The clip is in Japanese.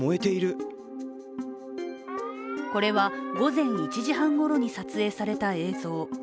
これは午前１時半ごろに撮影された映像。